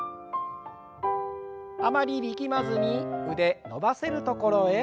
あまり力まずに腕伸ばせるところへ。